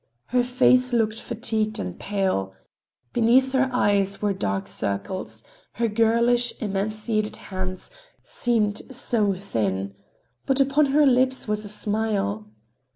Her face looked fatigued and pale. Beneath her eyes were dark circles, her girlish, emaciated hands seemed so thin,—but upon her lips was a smile.